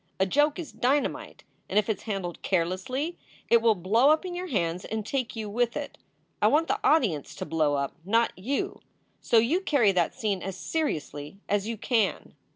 A joke is dynamite, and if it s handled carelessly it will blow up in your hands and take you with it. I want the audience to blow up, not you. So you cany that scene as seriously as you can."